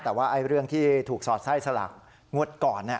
แต่ว่าเรื่องที่ถูกสอดไส้สลักงวดก่อน